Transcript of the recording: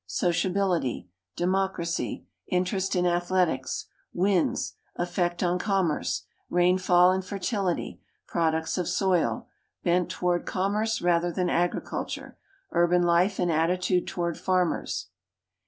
Sociability. Democracy. Interest in athletics. Winds. Effect on commerce. Rainfall and fertility. Products of soil. Bent toward com merce rather than agriculture. Urban life and attitude toward farmers.